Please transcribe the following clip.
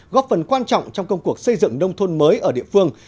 góp phần quan trọng trong công cuộc xây dựng nông thôn mới ở địa phương